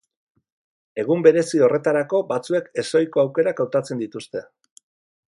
Egun berezi horretarako batzuek ezohiko aukerak hautatzen dituzte.